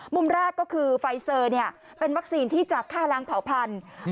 มุมแรกก็คือไฟเซอร์เป็นวัคซีนที่จะฆ่าล้างเผาพันธุ์